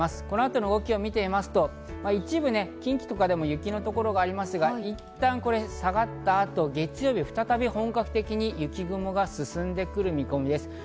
この後の動きを見てみますと一部、近畿とかでも雪の所がありますが、いったん下がった後、月曜日、再び本格的に雪雲が進んでくる見込みです。